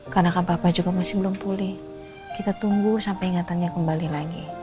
karena kan papa juga masih belum pulih kita tunggu sampe ingatannya kembali lagi